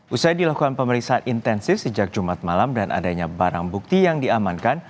usai dilakukan pemeriksaan intensif sejak jumat malam dan adanya barang bukti yang diamankan